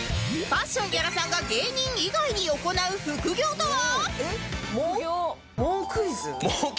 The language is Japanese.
パッション屋良さんが芸人以外に行う副業とは？